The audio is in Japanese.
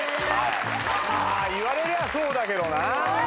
言われりゃそうだけどな。